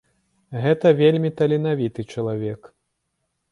Гэта вельмі таленавіты чалавек.